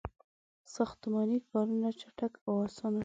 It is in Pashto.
• ساختماني کارونه چټک او آسان شول.